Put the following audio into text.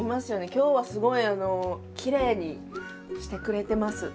今日はすごいきれいにしてくれてます。